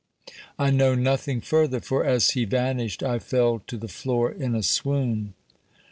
I know nothing further, for as he vanished I fell to the floor in a swoon."